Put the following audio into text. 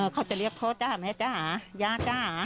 เขาจะเรียกพ่อจ้าแม่จ้าย่าจ๋า